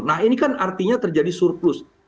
nah ini kan artinya terjadi surplus